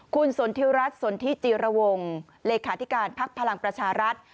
คุณสนทิรัฐสนทิจิรวงเลขาธิการภักดิ์พลังประชารัฐ